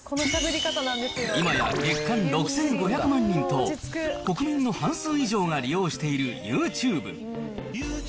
今や月間６５００万人と、国民の半数以上が利用しているユーチューブ。